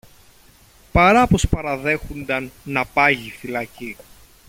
παρά πως παραδέχουνταν να πάγει φυλακή